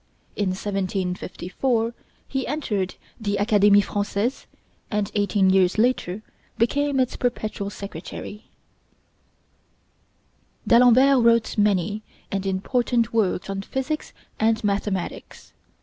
In 1754 he entered the Académie Française, and eighteen years later became its perpetual secretary. D'Alembert wrote many and important works on physics and mathematics.